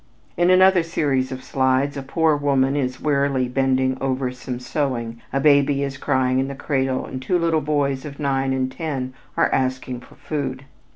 In another series of slides, a poor woman is wearily bending over some sewing, a baby is crying in the cradle, and two little boys of nine and ten are asking for food.